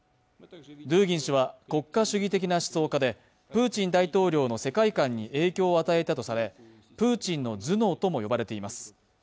ドゥーギン氏は国家主義的な思想家でプーチン大統領の世界観に影響を与えたとされプーチンの頭脳とも呼ばれています。